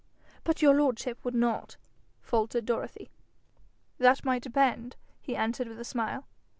'But your lordship would not?' faltered Dorothy. 'That might depend,' he answered with a smile.